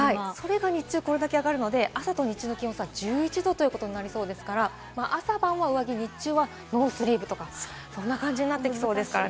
日中これだけ上がるので、朝と日中の気温差１１度ですから、朝晩は上着、日中はノースリーブとか、そんな感じになってきそうです。